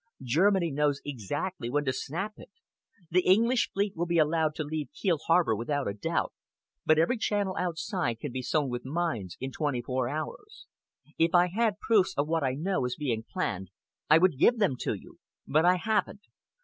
Germany knows exactly when to snap it. The English fleet will be allowed to leave Kiel harbor without a doubt, but every channel outside can be sown with mines in twenty four hours. If I had proofs of what I know is being planned, I would give them to you! But I haven't.